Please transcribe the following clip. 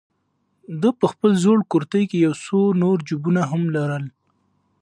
ده په خپل زوړ کورتۍ کې یو څو نور جېبونه هم لرل.